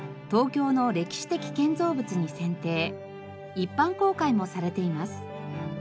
一般公開もされています。